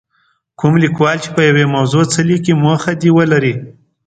کوم لیکوال چې په یوې موضوع څه لیکي موخه دې ولري.